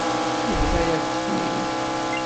Yebḍa-yakent-ten-id.